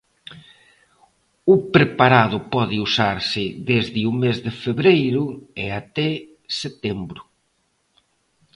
O preparado pode usarse desde o mes de febreiro e até setembro.